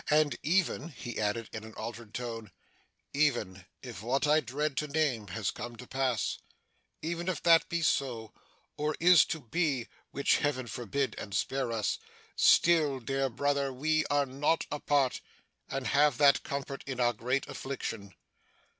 And even,' he added in an altered voice, 'even if what I dread to name has come to pass even if that be so, or is to be (which Heaven forbid and spare us!) still, dear brother, we are not apart, and have that comfort in our great affliction.